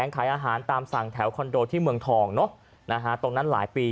ขายอาหารตามสั่งแถวคอนโดที่เมืองทองเนอะนะฮะตรงนั้นหลายปี